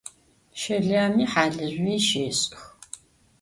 Şelami halızjüi şêş'ıx.